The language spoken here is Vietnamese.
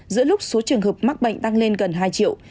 giữa lúc số trường hợp mắc bệnh tăng lên gần hai triệu